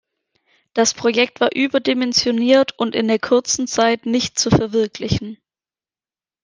Das Projekt war überdimensioniert und in der kurzen Zeit nicht zu verwirklichen.